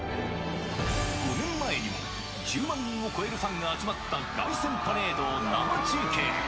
５年前にも、１０万人を超えるファンが集まった凱旋パレードを生中継。